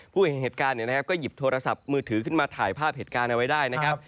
เห็นเหตุการณ์ก็หยิบโทรศัพท์มือถือขึ้นมาถ่ายภาพเหตุการณ์เอาไว้ได้นะครับ